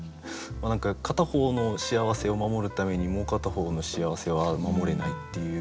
何か片方の幸せを守るためにもう片方の幸せは守れないっていう。